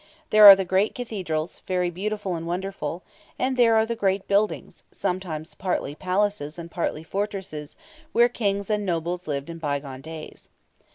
There are the great cathedrals, very beautiful and wonderful; and there are the great buildings, sometimes partly palaces and partly fortresses, where Kings and nobles lived in bygone days.